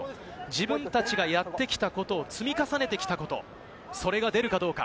自分たちがやってきたことを、積み重ねてきたこと、それが出るかどうか。